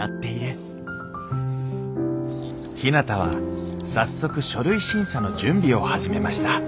ひなたは早速書類審査の準備を始めました